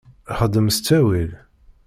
Xdem s ttawil.